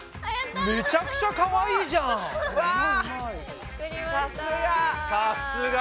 めちゃくちゃかわいいじゃん！わさすが！